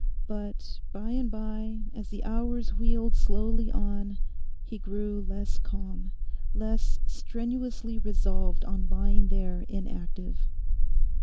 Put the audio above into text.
But by and by as the hours wheeled slowly on he grew less calm, less strenuously resolved on lying there inactive.